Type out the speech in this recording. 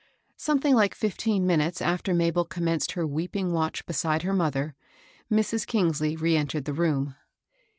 Something like fifteen minutes after Mabel com menced her weeping watch beside her mother, Mrs. Kingsley reentered the room.